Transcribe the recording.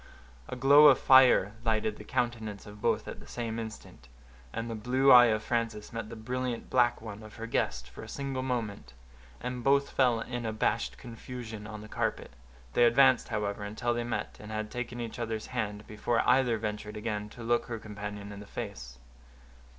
A glow of fire lighted the countenance of both at the same instant, and the blue eye of Frances met the brilliant black one of her guest for a single moment, and both fell in abashed confusion on the carpet; they advanced, however, until they met, and had taken each other's hand, before either ventured again to look her companion in the face.